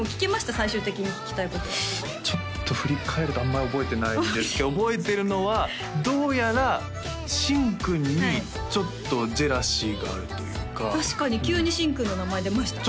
最終的に聞きたいことはちょっと振り返るとあんまり覚えてないんですけど覚えてるのはどうやら新君にちょっとジェラシーがあるというか確かに急に新君の名前出ましたね